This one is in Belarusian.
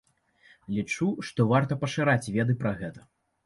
Лічу, што варта пашыраць веды пра гэта.